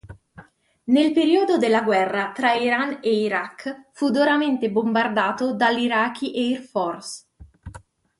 Nel periodo della guerra tra Iran ed Iraq fu duramente bombardato dall'Iraqi Air Force.